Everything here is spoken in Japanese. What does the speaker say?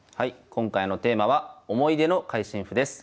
今回のテーマは「思い出の会心譜」です。